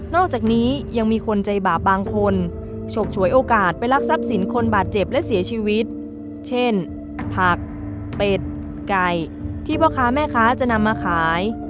อกจากนี้ยังมีคนใจบาปบางคนฉกฉวยโอกาสไปรักทรัพย์สินคนบาดเจ็บและเสียชีวิตเช่นผักเป็ดไก่ที่พ่อค้าแม่ค้าจะนำมาขาย